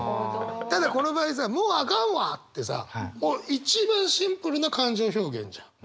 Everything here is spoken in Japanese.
ただこの場合さ「もうあかんわ」ってさもう一番シンプルな感情表現じゃん。